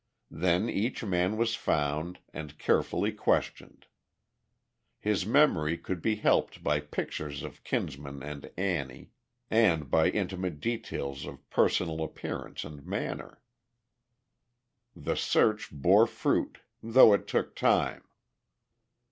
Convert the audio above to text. Then each man was found and carefully questioned. His memory could be helped by pictures of Kinsman and Annie, and by intimate details of personal appearance and manner. The search bore fruit, though it took time.